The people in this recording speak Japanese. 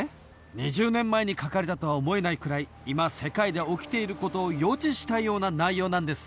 ２０年前に書かれたとは思えないくらい今世界で起きていることを予知したような内容なんです